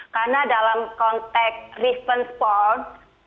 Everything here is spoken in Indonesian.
karena dalam konteks revenge porn